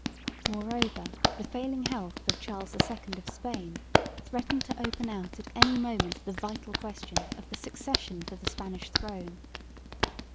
Moreover the failing health of Charles II of Spain threatened to open out at any moment the vital question of the succession to the Spanish throne.